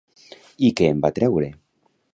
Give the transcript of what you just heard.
I què en va extreure?